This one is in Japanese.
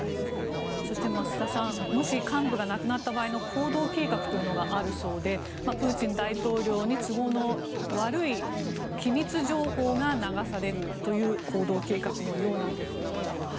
そして、増田さんもし幹部が亡くなった場合の行動計画というのがあるそうでプーチン大統領に都合の悪い機密情報が流されるという行動計画のようなんですけれども。